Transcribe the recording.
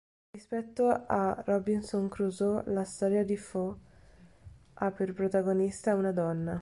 Rispetto a "Robinson Crusoe", la storia di "Foe" ha per protagonista una donna.